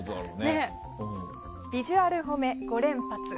ビジュアル褒め５連発。